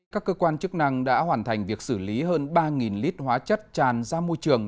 các cơ quan chức năng đã hoàn thành việc xử lý hơn ba lít hóa chất tràn ra môi trường